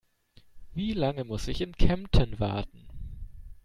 Wie lange muss ich in Kempten warten?